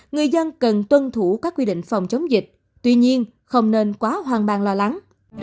người dân cần tuân thủ các quy định phòng chống dịch tuy nhiên không nên quá hoang mang lo lắng